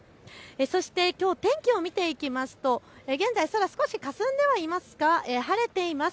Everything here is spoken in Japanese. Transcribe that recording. そして、きょう天気を見ていきますと現在、空、少しかすんではいますが晴れています。